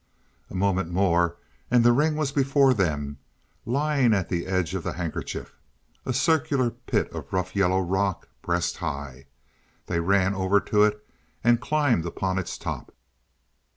A moment more and the ring was before them, lying at the edge of the handkerchief a circular pit of rough yellow rock breast high. They ran over to it and climbed upon its top.